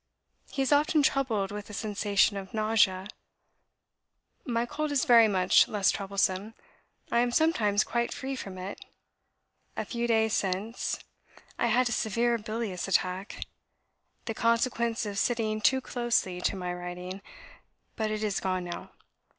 He is often troubled with a sensation of nausea. My cold is very much less troublesome, I am sometimes quite free from it. A few days since, I had a severe bilious attack, the consequence of sitting too closely to my writing; but it is gone now.